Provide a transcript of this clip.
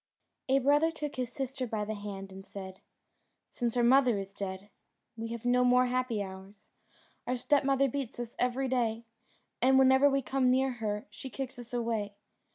A brother took his sister by the hand and said, "Since our mother is dead we have no more happy hours: our stepmother beats us every day, and whenever we come near her she kicks us away.